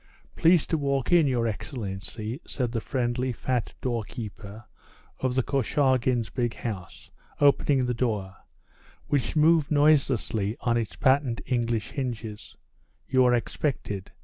"Please to walk in, your excellency," said the friendly, fat doorkeeper of the Korchagins' big house, opening the door, which moved noiselessly on its patent English hinges; "you are expected.